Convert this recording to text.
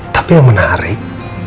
tapi yang menarik